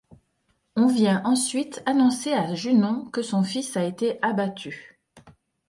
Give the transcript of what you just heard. On vient ensuite annoncer à Junon que son fils a été abattu.